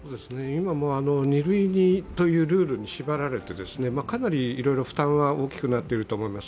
今も２類というルールに縛られてかなりいろいろ、負担が大きくなっていると思います。